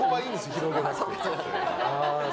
広げなくて。